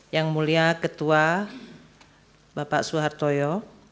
yang mulia ketua bapak suhartoyo